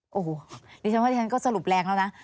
โอ้โหดิฉันก็สรุปแรงแล้วนะ